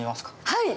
はい！